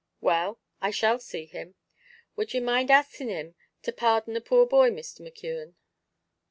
"Well; I shall see him." "Would you mind axing him to pardon a poor boy, Mr. McKeon?"